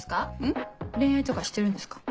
恋愛とかしてるんですか？